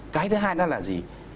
cái thứ hai đó là gì